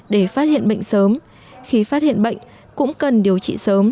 để phát hiện bệnh sớm khi phát hiện bệnh cũng cần điều trị sớm